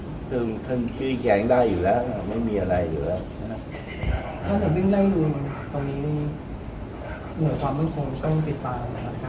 นี่เป็นเรื่องเก่านะชื่นกางได้อยู่แล้วไม่มีอะไรอยู่แล้วแถมเรื่องได้รูล